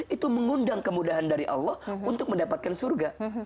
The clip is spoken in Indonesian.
itu mengundang kemudahan dari allah untuk mendapatkan surga